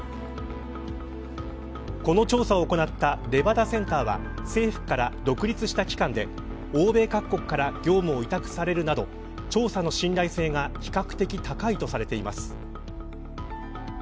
この調査を行ったレバダセンターは政府から独立した機関で欧米各国から業務を委託されるなど捜査の信頼性が比較的高いとされています。